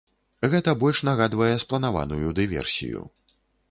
Гэта больш нагадвае спланаваную дыверсію.